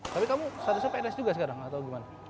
tapi kamu statusnya pns juga sekarang atau gimana